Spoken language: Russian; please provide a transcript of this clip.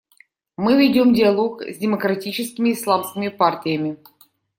Мы ведем диалог с демократическими исламскими партиями.